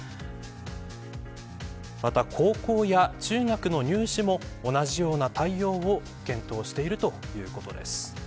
また、高校や中学の入試も同じような対応を検討しているということです。